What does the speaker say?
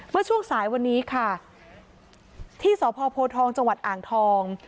เมื่อช่วงสายวันนี้ค่ะที่สพโพทองจังหวัดอ่างทอง